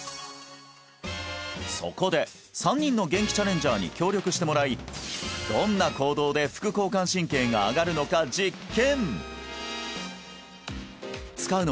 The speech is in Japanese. そこで３人のゲンキチャレンジャーに協力してもらいどんな行動で副交感神経が上がるのか実験！